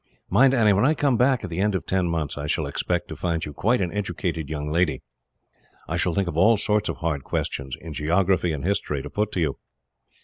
"Mind, Annie, when I come back, at the end of ten months, I shall expect to find you quite an educated young lady. I shall think of all sorts of hard questions, in geography and history, to put to you."